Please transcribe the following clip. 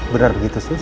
benar begitu sis